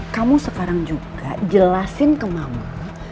kamu sekarang juga jelasin ke mama